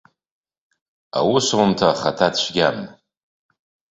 Аусумҭа ахаҭа цәгьам.